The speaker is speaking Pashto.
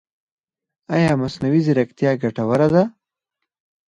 ایا مصنوعي ځیرکتیا ګټوره ده؟